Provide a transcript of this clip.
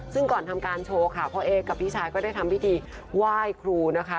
ซึ่งก่อนทำการโชว์ค่ะพ่อเอ๊กับพี่ชายก็ได้ทำพิธีไหว้ครูนะคะ